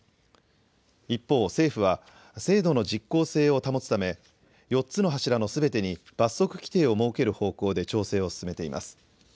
一方、政府は、制度の実効性を保つため、４つの柱のすべてに罰則規定を設ける方向で調整を進めています。